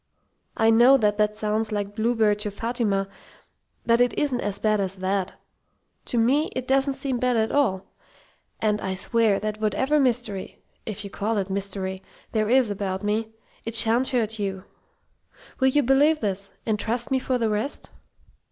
I know that that sounds like Bluebeard to Fatima, but it isn't as bad as that. To me, it doesn't seem bad at all. And I swear that whatever mystery if you call it 'mystery' there is about me, it sha'n't hurt you. Will you believe this and trust me for the rest?"